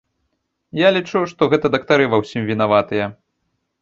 Я лічу, што гэта дактары ва ўсім вінаватыя.